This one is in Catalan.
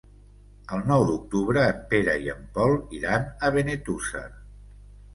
El nou d'octubre en Pere i en Pol iran a Benetússer.